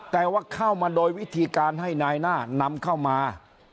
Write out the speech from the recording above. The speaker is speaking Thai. แต่ว่าเข้ามาโดยวิธีการให้นายหน้านำเข้ามา